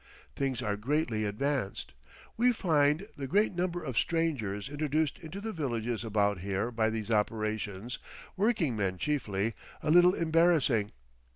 Things are greatly advanced.... We find—the great number of strangers introduced into the villages about here by these operations, working men chiefly, a little embarrassing.